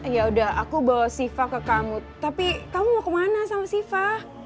ya udah aku bawa siva ke kamu tapi kamu mau kemana sama siva